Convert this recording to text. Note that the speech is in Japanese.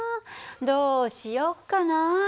どうしよっかな。